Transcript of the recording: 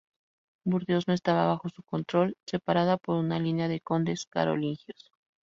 Burdeos no estaba bajo su control, separada por una línea de condes carolingios.